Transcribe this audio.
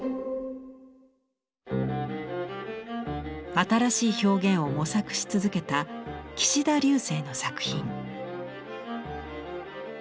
新しい表現を模索し続けた岸田劉生の作品。